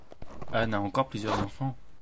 Anne a encore plusieurs enfants.